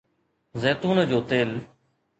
زيتون جو تيل